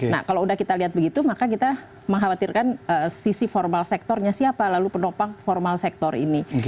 nah kalau udah kita lihat begitu maka kita mengkhawatirkan sisi formal sektornya siapa lalu penopang formal sektor ini